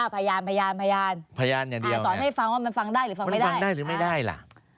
พยานพยานสอนให้ฟังว่ามันฟังได้หรือฟังไม่ได้